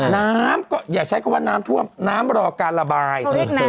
น้ำก็อย่าใช้คำว่าน้ำท่วมน้ำรอการระบาย